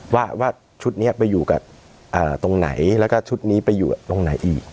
ว่าชุดนี้ไปอยู่กับตรงไหนแล้วก็ชุดนี้ไปอยู่ตรงไหนอีก